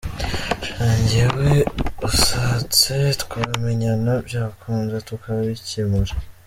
sha gewe usatse twamenyana byakunda tukabicyemura.